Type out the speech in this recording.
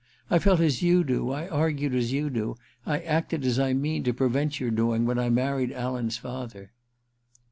I felt as you do, I argued as you do, I acted as I mean to prevent your doing, when I married Alan's father.'